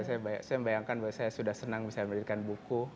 saya bayangkan bahwa saya sudah senang bisa menuliskan buku